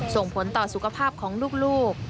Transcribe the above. ส่งผลต่อสุขภาพของลูก